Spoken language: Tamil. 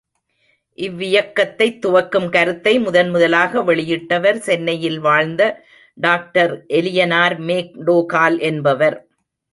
இவ்வியக்கத்தைத் துவக்கும் கருத்தை முதன்முதலாக வெளியிட்டவர் சென்னையில் வாழ்ந்த டாக்டர் எலியனார் மேக் டோகால் என்பவர்.